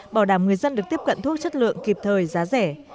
bảo đảm người dân được tiếp cận thuốc chất lượng kịp thời giá rẻ